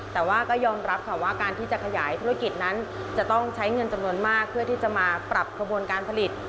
แต่ว่าก็ยอมรับค่ะว่าการที่จะขยายธุรกิจนั้นจะต้องใช้เงินจำนวนมากเพื่อที่จะมาปรับขบวนการผลิต